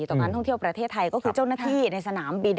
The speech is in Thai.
ต่อการท่องเที่ยวประเทศไทยก็คือเจ้าหน้าที่ในสนามบิน